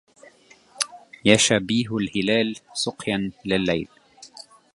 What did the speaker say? يا شبيه الهلال سقيا لليل